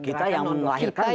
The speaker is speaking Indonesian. kita yang menelahirkan gerakan